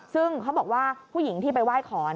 ซึ่งเขาบอกว่าผู้หญิงที่ไปไหว้ขอ